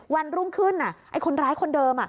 วันรุ่งขึ้นไอ้คนร้ายคนเดิม